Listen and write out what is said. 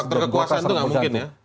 faktor kekuasaan itu tidak mungkin ya